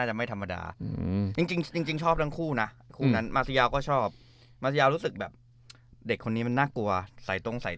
ใส่ตรงใส่ตาเวลาลงเล่น